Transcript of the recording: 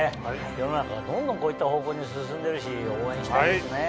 世の中がどんどんこういった方向に進んでるし応援したいですね。